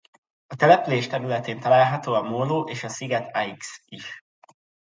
A település területén található a móló és a sziget Aix is.